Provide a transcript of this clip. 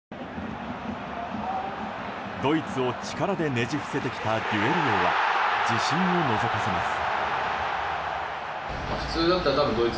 ドイツを力でねじ伏せてきたデュエル王は自信をのぞかせます。